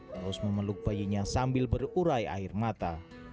terus memeluk bayinya sambil berurai air mata